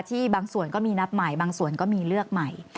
บางส่วนก็มีนับใหม่บางส่วนก็มีเลือกใหม่